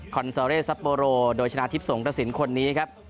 คอนซอเร่ซัปโบโรโดยชนะทิพย์สงกระสินคนนี้ครับ